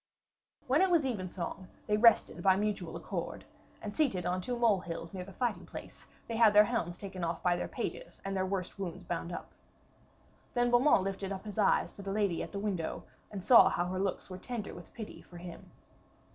When it was evensong they rested by mutual accord, and seated on two molehills near the fighting place, they had their helms taken off by their pages and their worse wounds bound up. Then Beaumains lifted up his eyes to the lady at the window, and saw how her looks were tender with pity for him.